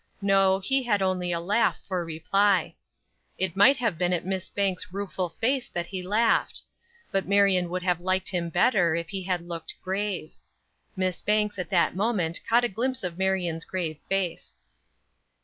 No, he had only a laugh for reply; it might have been at Miss Banks' rueful face that he laughed; but Marion would have liked him better if he had looked grave. Miss Banks at that moment caught a glimpse of Marion's grave face.